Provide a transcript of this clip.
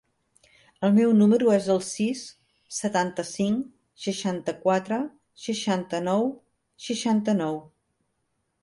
El meu número es el sis, setanta-cinc, seixanta-quatre, seixanta-nou, seixanta-nou.